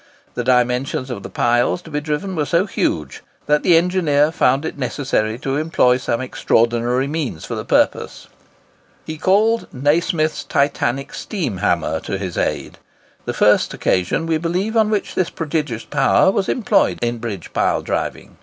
The dimensions of the piles to be driven were so huge, that the engineer found it necessary to employ some extraordinary means for the purpose. He called Nasmyth's Titanic steam hammer to his aid—the first occasion, we believe, on which this prodigious power was employed in bridge pile driving.